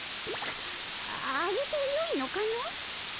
ああげてよいのかの？